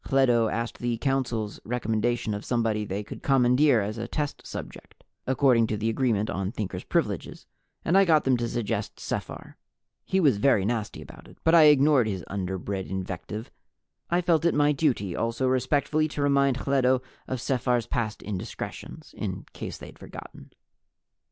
Hledo asked the Council's recommendation of somebody they could commandeer as a test subject, according to the Agreement on Thinkers' Privileges, and I got them to suggest Sephar. He was very nasty about it, but I ignored his underbred invective. I felt it my duty also respectfully to remind Hledo of Sephar's past indiscretions, in case they'd forgotten.